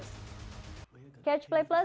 catch play plus juga berhasil mencari penyelenggaraan